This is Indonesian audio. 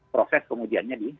proses kemudiannya di